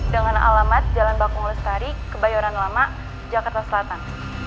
dengan alamat jalan bakung lestari kebayoran lama jakarta selatan